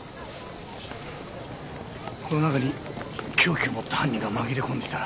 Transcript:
この中に凶器を持った犯人が紛れ込んでいたら。